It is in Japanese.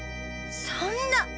そんな。